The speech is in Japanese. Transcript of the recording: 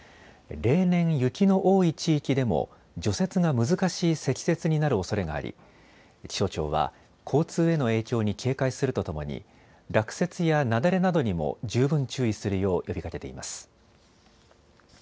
例年、雪の多い地域でも除雪が難しい積雪になるおそれがあり気象庁は交通への影響に警戒するとともに落雪や雪崩などにも十分注意するよう呼びかけています。